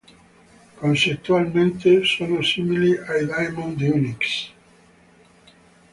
Concettualmente sono simili ai daemon di Unix.